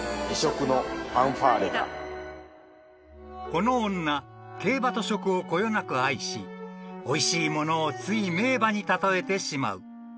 ［この女競馬と食をこよなく愛しおいしいものをつい名馬に例えてしまう］